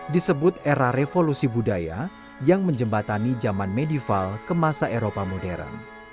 disebut era revolusi budaya yang menjembatani zaman medival ke masa eropa modern